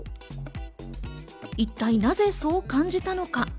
一体なぜそう感じたのか？